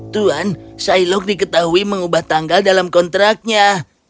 tuan sailoh diketahui mengubah tanggal dalam kontraknya